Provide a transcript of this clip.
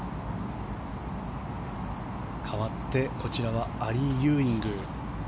かわってこちらはアリー・ユーイング。